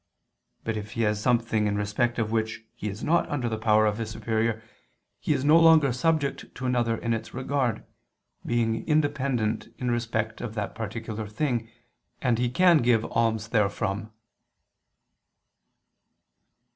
But if he has something in respect of which he is not under the power of his superior, he is no longer subject to another in its regard, being independent in respect of that particular thing, and he can give alms therefrom.